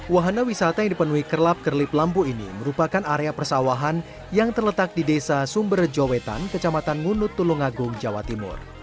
wahana wisata yang dipenuhi kerlap kerlip lampu ini merupakan area persawahan yang terletak di desa sumberjowetan kecamatan ngunut tulungagung jawa timur